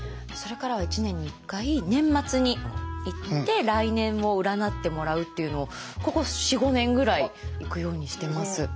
それからは一年に１回年末に行って来年を占ってもらうっていうのをここ４５年ぐらい行くようにしてます。